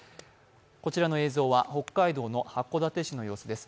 こちらの映像は北海道の函館市の様子です。